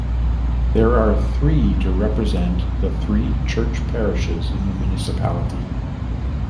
There are three to represent the three church parishes in the municipality.